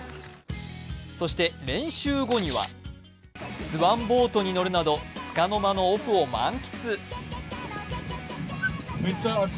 そして練習後には、スワンボートに乗るなどつかの間のオフを満喫。